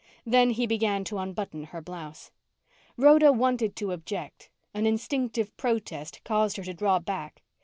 Then he began to unbutton her blouse. Rhoda wanted to object. An instinctive protest caused her to draw back.